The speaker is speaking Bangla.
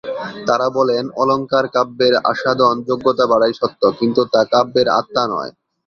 তাঁরা বলেন, অলঙ্কার কাব্যের আস্বাদন-যোগ্যতা বাড়ায় সত্য, কিন্তু তা কাব্যের আত্মা নয়।